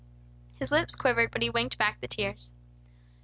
His lips quivered, but he winked back the tears.